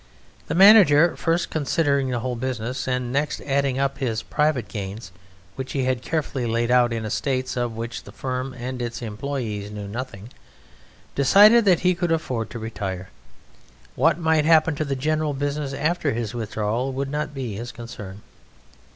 The Manager, first considering the whole business, and next adding up his private gains, which he had carefully laid out in estates of which the firm and its employés knew nothing, decided that he could afford to retire. What might happen to the general business after his withdrawal would not be his concern.